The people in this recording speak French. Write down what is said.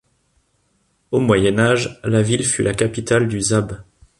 Au Moyen Âge, la ville fut la capitale du Zab.